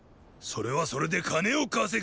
それはそれで金を稼ぐ。